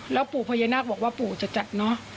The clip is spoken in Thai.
แล้วปู่พญานาคบอกว่าปู่จะจัดเนอะ